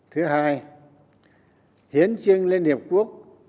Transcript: thứ hai hiến trinh liên hợp quốc